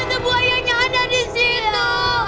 itu buayanya ada di situ